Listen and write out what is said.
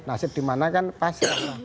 nasib dimana kan pas